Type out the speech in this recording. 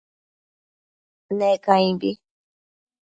Ne caimbi